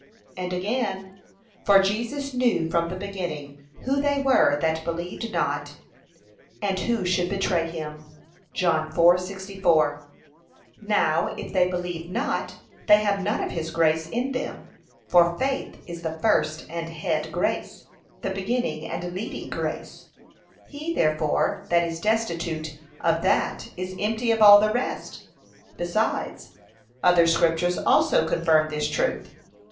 And again, 'For Jesus knew from the beginning who they were that believed not, and who should betray him.' (John 4:64) Now if they believe not, they have none of his grace in them; for faith is the first and head grace, the beginning and leading grace; he, therefore, that is destitute of that is empty of all the rest. Besides, other scriptures also confirm this truth.